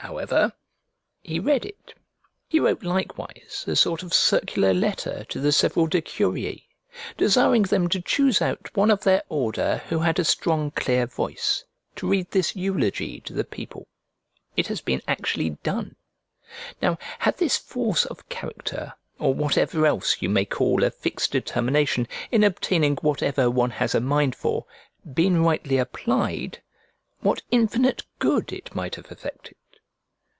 However he read it. He wrote likewise a sort of circular letter to the several Decurii desiring them to choose out one of their order who had a strong clear voice, to read this eulogy to the people; it has been actually done. Now had this force of character or whatever else you may call a fixed determination in obtaining whatever one has a mind for, been rightly applied, what infinite good it might have effected!